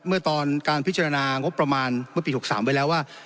เมื่อตอนการพิจารณางบประมาณเมื่อปี๖๓ไว้แล้วว่า